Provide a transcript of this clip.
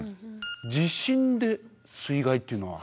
地震で水害というのは。